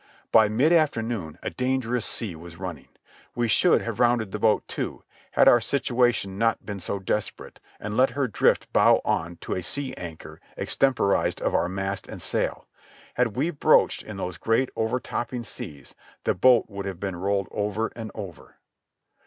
By mid afternoon a dangerous sea was running. We should have rounded the boat to, had our situation not been so desperate, and let her drift bow on to a sea anchor extemporized of our mast and sail. Had we broached in those great, over topping seas, the boat would have been rolled over and over.